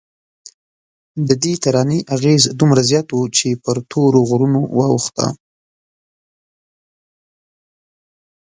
ددې ترانې اغېز دومره زیات و چې پر تورو غرونو واوښته.